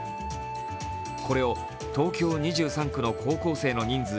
これを東京２３区の高校生の人数